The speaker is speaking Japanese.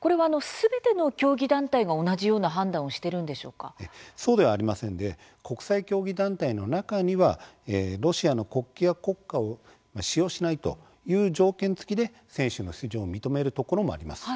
これはすべての競技団体が同じような判断をそうではありませんで国際競技団体の中にはロシアの国旗や国歌を使用しないという条件付きで選手の出場を認めるところもあります。